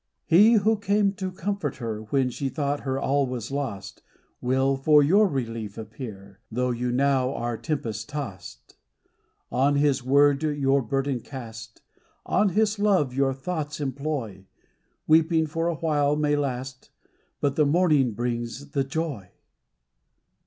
93 He who came to comfort her When she thought her all was lost, Will for your relief appear, Though you now are tempest tossed. On His word your burden cast, On His love your thoughts employ : Weeping for a while may last, But the morning brings the joy.